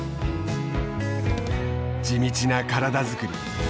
地道な体づくり。